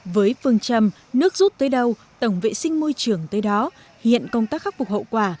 với phương châm nước rút tới đâu tổng vệ sinh môi trường tới đó hiện công tác khắc phục hậu quả